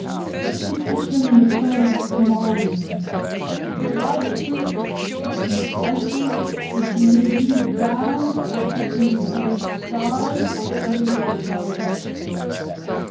Put the citron in the form of small leaves. The large fruits cut in slices, which you may leave round or cut in the form of stars or to imitate a flower bud.